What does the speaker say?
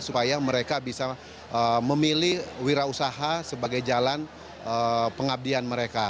supaya mereka bisa memilih wirausaha sebagai jalan pengabdian mereka